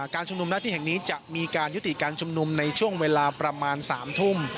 การชุมนุมหน้าที่แห่งนี้จะมีการยุติการชุมนุมในช่วงเวลาประมาณ๓ทุ่ม